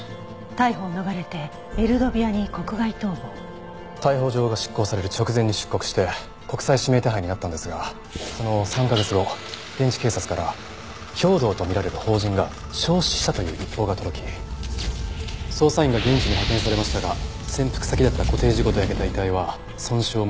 「逮捕を逃れてエルドビアに国外逃亡」逮捕状が執行される直前に出国して国際指名手配になったんですがその３カ月後現地警察から兵働と見られる邦人が焼死したという一報が届き捜査員が現地に派遣されましたが潜伏先だったコテージごと焼けた遺体は損傷も激しく。